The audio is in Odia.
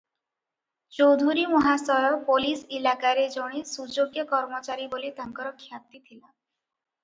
ଚୌଧୁରୀ ମହାଶୟ ପୋଲିସ ଇଲାକାରେ ଜଣେ ସୁଯୋଗ୍ୟ କର୍ମଚାରୀ ବୋଲି ତାଙ୍କର ଖ୍ୟାତି ଥିଲା ।